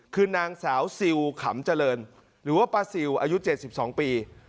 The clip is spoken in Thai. คือนางสาวซิลขำเจริญหรือว่าป้าซิลอายุเจ็ดสิบสองปี